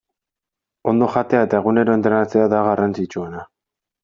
Ondo jatea eta egunero entrenatzea da garrantzitsuena.